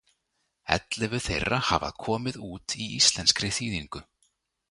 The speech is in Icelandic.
Ellefu þeirra hafa komið út í íslenskri þýðingu.